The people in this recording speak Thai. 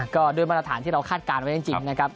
ก็ด้วยมาตรฐานที่เราคาดการณ์ไว้จริงนะครับ